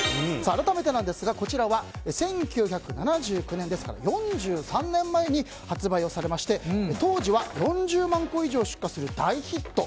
改めてなんですがこちらは、１９７９年ですから４３年前に発売をされまして当時は４０万個以上出荷する大ヒット。